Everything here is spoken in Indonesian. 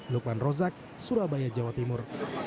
lukman rozak surabaya jawa timur